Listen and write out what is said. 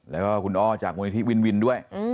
แล้วก็คุณอ้อจากมูลนิธิวินวินด้วย